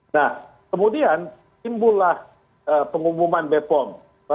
nah kemudian timbullah pengumuman bepom